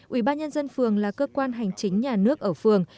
ủy ban nhân dân phường là cơ quan hành chính nhà nước ở phường